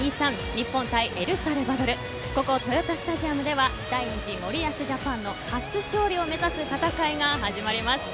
日本対エルサルバドルここ豊田スタジアムでは第２次森保ジャパンの初勝利を目指す戦いが始まります。